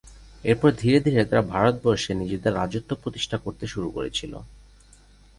এরপর ধীরে ধীরে তারা ভারতবর্ষে নিজেদের রাজত্ব প্রতিষ্ঠা করতে শুরু করেছিল।